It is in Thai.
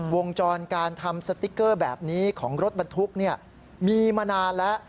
วงจรการทำสติ๊กเกอร์แบบนี้ของรถบรรทุกมีมานานแล้ว